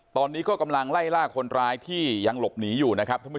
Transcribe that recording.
ตอนนี้ก็กำลังไล่ล่าคนร้ายที่ยังหลบหนีอยู่